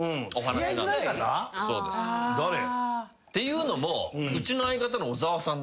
誰？っていうのも。